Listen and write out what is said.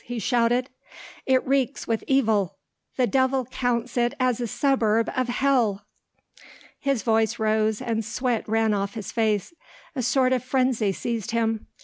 he shouted. "It reeks with evil! The devil counts it a suburb of hell!" His voice rose, and sweat ran off his face. A sort of frenzy seized him.